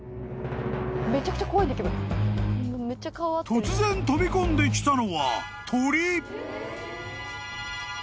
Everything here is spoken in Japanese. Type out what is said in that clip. ［突然飛び込んできたのは鳥］